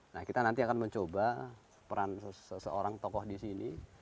nah kita nanti akan mencoba peran seseorang tokoh di sini